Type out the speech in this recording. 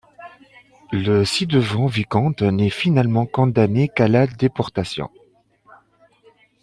Le ci-devant vicomte n'est finalement condamné qu'à la déportation.